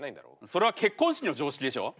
それは結婚式の常識でしょ。